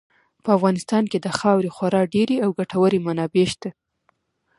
په افغانستان کې د خاورې خورا ډېرې او ګټورې منابع شته.